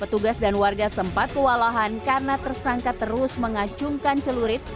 petugas dan warga sempat kewalahan karena tersangka terus mengacungkan celurit